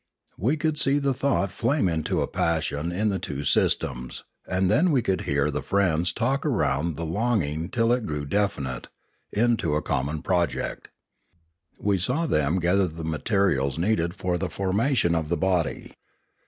We could see the thought flame into a passion in the two systems, and then we could hear the friends talk around the longing till it grew definite, into a common project. We saw them gather the materials needed for the formation of the body.